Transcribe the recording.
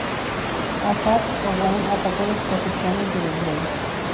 Asaph, Owain atacó las posesiones de los Grey.